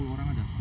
sepuluh orang ada